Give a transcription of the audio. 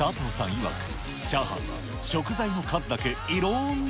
いわく、チャーハンは食材の数だけいろーんな